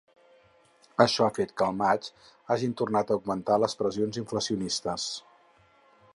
Això ha fet que al maig hagin tornat a augmentar les pressions inflacionistes.